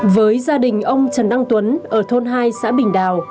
với gia đình ông trần đăng tuấn ở thôn hai xã bình đào